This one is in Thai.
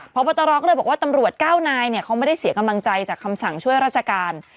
พบตรก็เลยบอกว่าตำรวจ๙นายเขาไม่ได้เสียกำลังใจจากคำสั่งช่วยราชการ